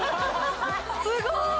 すごい！